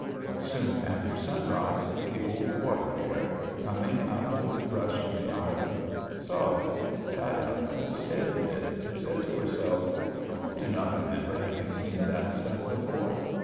Soon after sunrise the old water bear, coming out from the brush on the island, saw it, sat up and stared at it, and said to herself: 'I do not remember having seen that stump before.